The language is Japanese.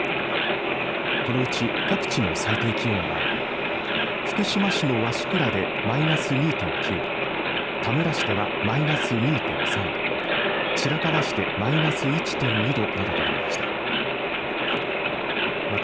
このうち各地の最低気温は福島市の鷲倉でマイナス２．９度田村市ではマイナス２．３度白河市でマイナス１．２度などとなりました。